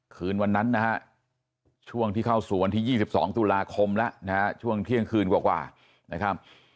คืนวันนั้นนะฮะช่วงที่เข้าสู่วันที่๒๒ตุลาคมแล้วนะฮะช่วงเที่ยงคืนกว่านะครับ